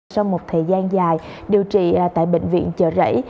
sau một thời gian dài điều trị tại bệnh viện chợ rẫy